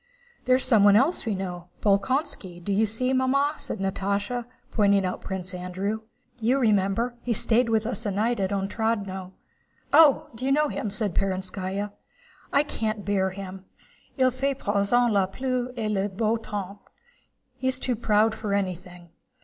"There's someone else we know—Bolkónski, do you see, Mamma?" said Natásha, pointing out Prince Andrew. "You remember, he stayed a night with us at Otrádnoe." "Oh, you know him?" said Perónskaya. "I can't bear him. Il fait à présent la pluie et le beau temps. * He's too proud for anything.